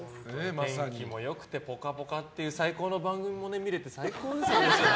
天気も良くて「ぽかぽか」という最高の番組も見れて最高ですよね。